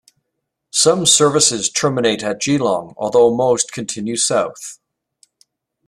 Some services terminate at Geelong, although most continue south.